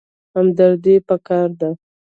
همدردي پکار ده